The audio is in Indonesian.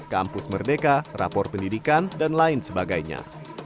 kampus merdeka rapor pendidikan dan lain sebagainya